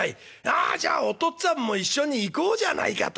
ああじゃあお父っつぁんも一緒に行こうじゃないか』と。